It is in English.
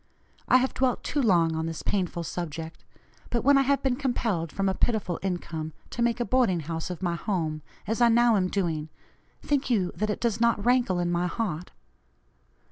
I have dwelt too long on this painful subject, but when I have been compelled from a pitiful income to make a boarding house of my home, as I now am doing, think you that it does not rankle in my heart?